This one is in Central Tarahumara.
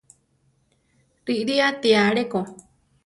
Riʼrí ati aléko.